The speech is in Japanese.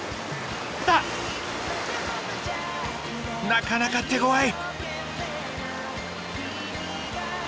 なかなか手ごわい！